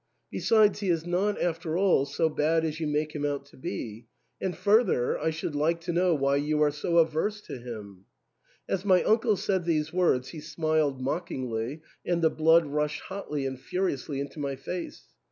Besides, he is not, after all, so bad as you make him out to be ; and further, I should like to know why you are so averse to him." As my uncle said these words he smiled mockingly, and the blood rushed hotly and furiously into my face.